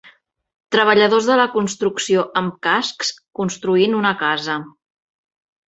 Treballadors de la construcció amb cascs construint una casa.